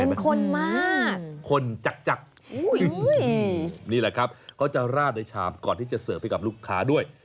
คนมากคนจักรนี่แหละครับเขาจะราดในชามก่อนที่จะเสิร์ฟให้กับลูกค้าด้วย